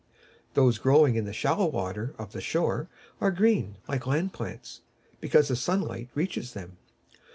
Those growing in the shallow water of the shore are green, like land plants, because the sunlight reaches them.